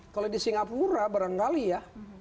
kalau di singapura barangkali ya